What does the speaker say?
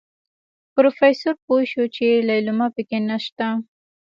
پروفيسر پوه شو چې ليلما پکې نشته.